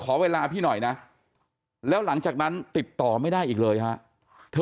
ขอเวลาพี่หน่อยนะแล้วหลังจากนั้นติดต่อไม่ได้อีกเลยฮะเธอ